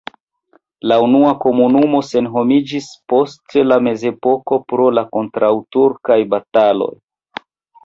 La unua komunumo senhomiĝis post la mezepoko pro la kontraŭturkaj bataloj.